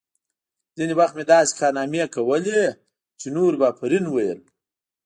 ځینې وخت مې داسې کارنامې کولې چې نورو به آفرین ویل